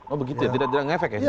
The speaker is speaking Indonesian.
oh begitu ya tidak tidak ngefek ya